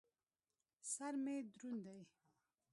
سر مې دروند دى.